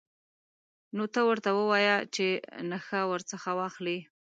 نو ته ورته ووایه چې نخښه ورڅخه واخلئ.